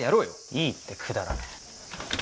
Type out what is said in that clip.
いいってくだらねえ。